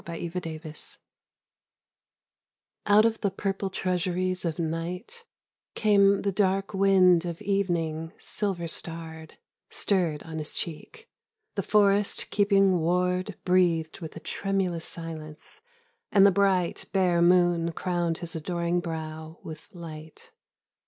VII Malua Out of the purple treasuries of night Came the dark wind of evening silver starred Stirred on his cheek. The forest keeping ward Breathed with a tremulous silence, and the bright, Bare moon crowned his adoring brow with light.